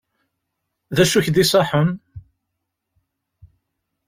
D acu i k-d-iṣaḥen?